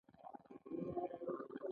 په ټولنه کي باید کلتور ته خاصه توجو وکړي.